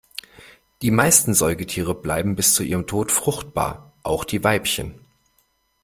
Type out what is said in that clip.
Die meisten Säugetiere bleiben bis zu ihrem Tod fruchtbar, auch die Weibchen.